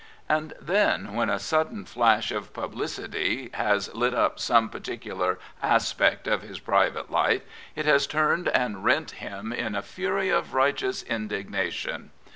And then, when a sudden flash of publicity has lit up some particular aspect of his private life, it has turned and rent him in a fury of righteous indignation.